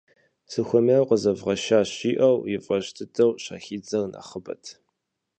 Сыхуэмейуэ къэзывгъэшащ! - жиӏэу, и фӏэщ дыдэу щахидзэр нэхъыбэт.